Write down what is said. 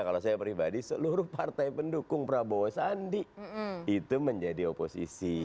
kalau saya pribadi seluruh partai pendukung prabowo sandi itu menjadi oposisi